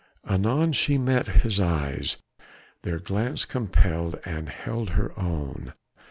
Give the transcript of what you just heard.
Anon she met his eyes; their glance compelled and held her own.